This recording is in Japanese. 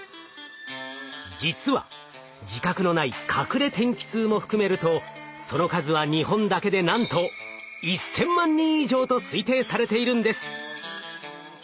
実は自覚のない隠れ天気痛も含めるとその数は日本だけでなんと１，０００万人以上と推定されているんです。